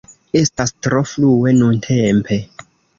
Estas tro frue nuntempe.